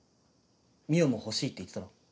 澪も欲しいって言ってたろ？